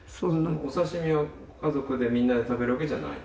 お刺身を家族でみんなで食べるわけじゃない？